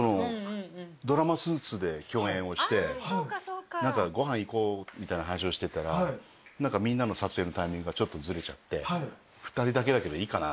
ドラマ『ＳＵＩＴＳ／スーツ』で共演をしてご飯行こうみたいな話をしてたらみんなの撮影のタイミングがちょっとずれちゃって２人だけだけどいいかな？